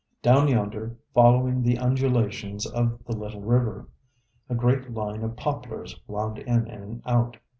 Down yonder, following the undulations of the little river, a great line of poplars wound in and out.